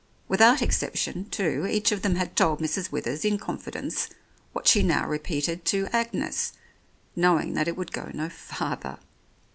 Without exception, too, each of them had told Mrs. Withers in confidence what she repeated now to Agnes, knowing that it would go no farther.